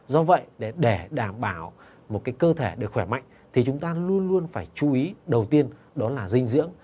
do vậy để đảm bảo một cơ thể được khỏe mạnh thì chúng ta luôn luôn phải chú ý đầu tiên đó là dinh dưỡng